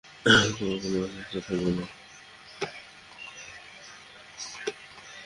তোমার কোন অস্তিত্বই থাকবে না।